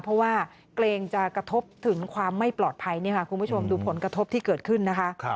เพราะว่าเกรงจะกระทบถึงความไม่ปลอดภัยนี่ค่ะคุณผู้ชมดูผลกระทบที่เกิดขึ้นนะคะ